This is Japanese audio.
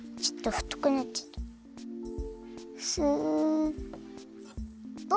ちょっとふとくなっちゃった。